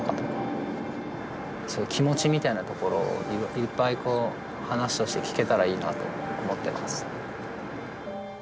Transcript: そういう気持ちみたいなところをいっぱいこう話として聞けたらいいなと思ってます。